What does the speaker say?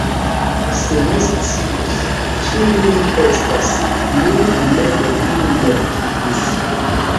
Se mi scius, kiu li estas, mi mem lin mortigus!